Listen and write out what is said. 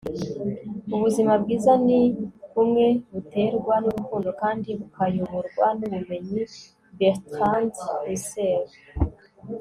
ubuzima bwiza ni bumwe buterwa n'urukundo kandi bukayoborwa n'ubumenyi. - bertrand russell